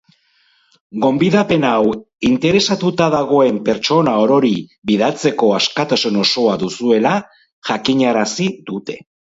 Gonbidapen hau interesatuta dagoen pertsona orori bidaltzeko askatasun osoa duzuela jakinarazi dute.